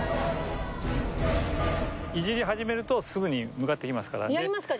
いじり始めるとすぐに向かってきますから。